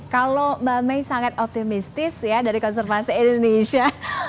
kalau mbak may sangat optimistis ya dari konservasi indonesia